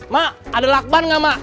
mak ada lakban nggak mak